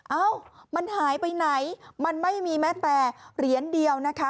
เอ้ามันหายไปไหนมันไม่มีแม้แต่เหรียญเดียวนะคะ